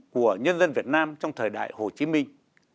của nhân dân việt nam trong thời đại hồ chí minh